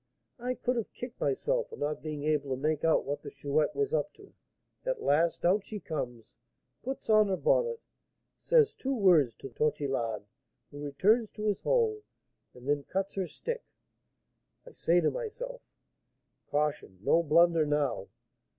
I could have kicked myself for not being able to make out what the Chouette was up to. At last out she comes, puts on her bonnet, says two words to Tortillard, who returns to his hole, and then 'cuts her stick.' I say to myself, 'Caution! no blunder now!